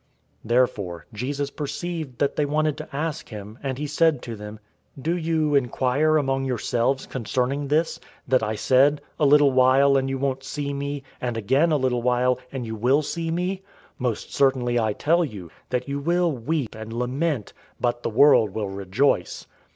016:019 Therefore Jesus perceived that they wanted to ask him, and he said to them, "Do you inquire among yourselves concerning this, that I said, 'A little while, and you won't see me, and again a little while, and you will see me?' 016:020 Most certainly I tell you, that you will weep and lament, but the world will rejoice.